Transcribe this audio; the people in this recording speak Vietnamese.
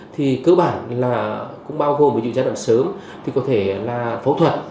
thì cơ bản là cũng bao gồm với những giai đoạn sớm thì có thể là phẫu thuật